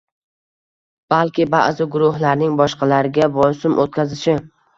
balki ba’zi guruhlarning boshqalarga bosim o‘tkazishi